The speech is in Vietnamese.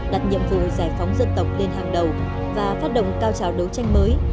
đặt nhiệm vụ giải phóng dân tộc lên hàng đầu và phát động cao trào đấu tranh mới